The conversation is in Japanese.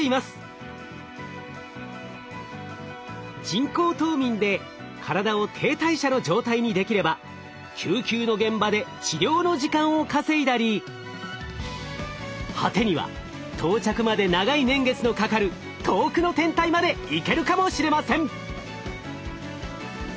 人工冬眠で体を低代謝の状態にできれば救急の現場で治療の時間を稼いだり果てには到着まで長い年月のかかる遠くの天体まで行けるかもしれません。